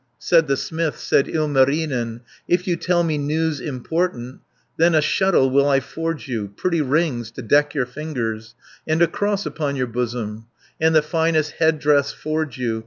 230 Said the smith, said Ilmarinen, "If you tell me news important, Then a shuttle will I forge you, Pretty rings to deck your fingers, And a cross upon your bosom, And the finest head dress forge you.